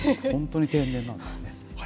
本当に天然なんですね。